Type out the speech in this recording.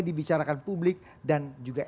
dibicarakan publik dan juga